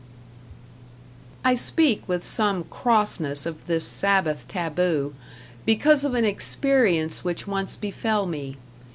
I speak with some crossness of this Sabbath taboo, because of an experience which once befell me.